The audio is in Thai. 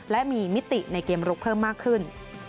และมีมิติในเกมลุกเพิ่มมากขึ้น